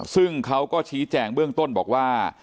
ซึ่งเขาก็ชี้แจงเบื้องต้นบอกว่า